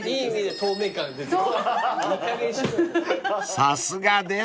［さすがです］